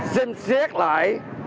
xem xét lại